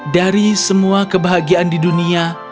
dari semua kebahagiaan di dunia